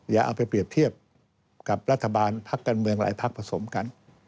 อย่าเอาไปเปรียบเทียบกับรัฐบาลพักการเมืองหลายพักผสมกัน